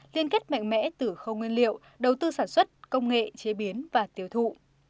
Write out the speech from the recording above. liên kết mạnh mẽ từ khâu nguyên liệu đầu tư sản xuất công nghệ chế biến và tiêu thụ